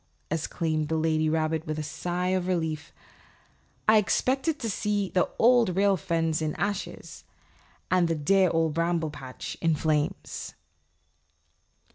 exclaimed the lady rabbit with a sigh of relief, "I expected to see the Old Rail Fence in ashes and the dear Old Bramble Patch in flames."